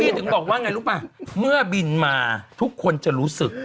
ถึงบอกว่าไงรู้ป่ะเมื่อบินมาทุกคนจะรู้สึก